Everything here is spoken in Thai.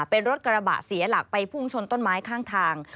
เป็นรถกระบะเสียหลักไปพุ่งชนต้นไม้ข้างทาง